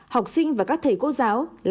học sinh và các thầy cô giáo lại bị đánh giá